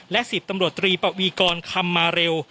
และ๑๐ตำรวจตรีปวีกรคำมาเร็ว